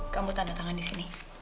kamu tanda tangan disini